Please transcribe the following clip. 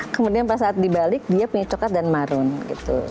kemudian pada saat dibalik dia punya coklat dan marun gitu